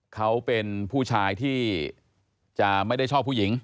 เขาเป็นผู้ชายที่จะไม่ได้ชอบผู้หญิง